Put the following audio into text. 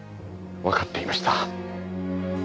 わかっていました。